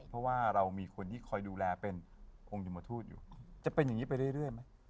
เพราะว่าเรามีคนที่คอยดูแลเป็นองค์ยมทูตอยู่จะเป็นอย่างนี้ไปเรื่อยไหม